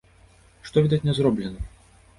Што, відаць, не зроблена.